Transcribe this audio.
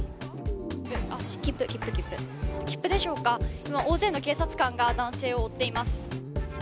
切符でしょうか、今、大勢の警察官が男性を追っています。